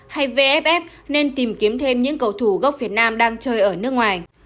hay vff nên tìm kiếm thêm những cầu thủ gốc việt nam đang chơi ở nước ngoài